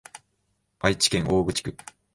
愛知県大口町